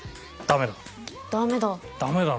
ダメだ。